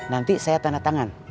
nanti saya tanda tangan